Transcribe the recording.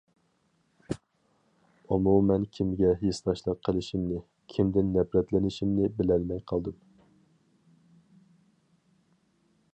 ئومۇمەن، كىمگە ھېسداشلىق قىلىشىمنى، كىمدىن نەپرەتلىنىشىمنى بىلەلمەي قالدىم.